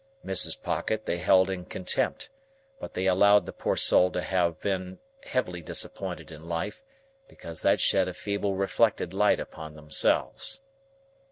Mrs. Pocket they held in contempt; but they allowed the poor soul to have been heavily disappointed in life, because that shed a feeble reflected light upon themselves.